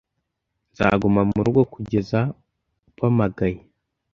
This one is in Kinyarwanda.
nzaguma murugo kugeza upamagaye